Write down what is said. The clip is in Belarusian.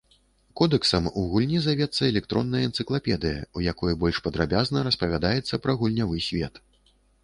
Кодэксам у гульні завецца электронная энцыклапедыя, у якой больш падрабязна распавядаецца пра гульнявы свет.